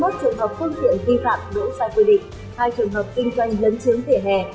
ba mươi một trường hợp khuôn kiện kỳ phạm đỗ sai quy định hai trường hợp kinh doanh lấn chứng tỉa hè